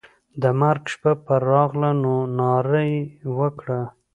د مرګ شپه پر راغله نو ناره یې وکړه.